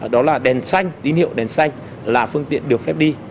đó là đèn xanh tín hiệu đèn xanh là phương tiện được phép đi